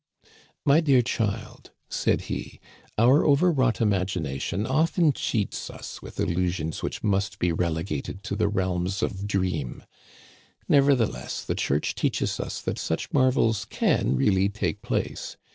"* My dear child,* said he, ' our overwrought imagi nation often cheats us with illusions which must be rele gated to the realms of dream. Nevertheless, the Church teaches us that such marvels can really take place.